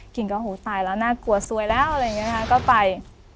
กินก็โหตายแล้วน่ากลัวสวยแล้วอะไรอย่างนี้ค่ะก็ไป